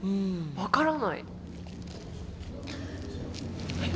分からない。